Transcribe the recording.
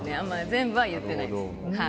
全部は言ってないです。